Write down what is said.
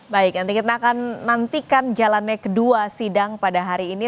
baik nanti kita akan nantikan jalannya kedua sidang pada hari ini